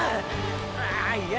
ああいや